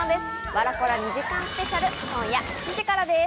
『笑コラ』２時間スペシャル、今夜７時からです。